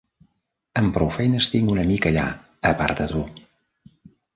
Amb prou feines tinc un amic allà a part de tu.